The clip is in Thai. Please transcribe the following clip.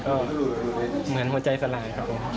ก็เหมือนหัวใจสลายครับผม